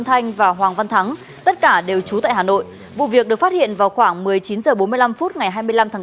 tất cả đều trú tại hà nội vụ việc được phát hiện vào khoảng một mươi chín h bốn mươi năm ngày hai mươi năm tháng tám